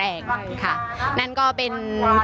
อย่างที่บอกไปว่าเรายังยึดในเรื่องของข้อ